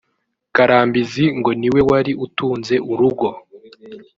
Karambizi ngo ni we wari utunze urugo